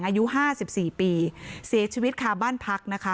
อายุ๕๔ปีเสียชีวิตคาบ้านพักนะคะ